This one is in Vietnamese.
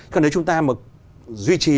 còn nếu chúng ta mà duy trì